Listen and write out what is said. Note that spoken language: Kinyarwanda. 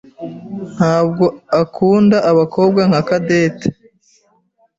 ntabwo akunda abakobwa nka Cadette.